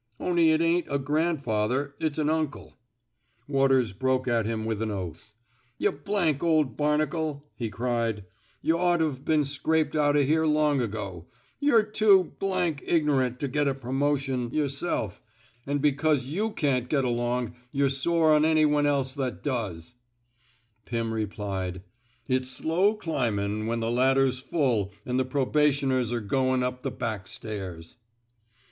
On'y it ain't a grandfather, it's an uncle —" Waters broke at him with an oath. Tuh old barnacle!" he cried. Y'ought t've been scraped out o' here long ago. Yuh're too ignorant to get a promotion 174 TEAINING SALLY '^ WATEES yerself, an' because you can't get along, ynh're sore on any one else that does." Pirn replied: It's slow climbin' when the ladder's full an' the probationers 're goin' up the back stairs."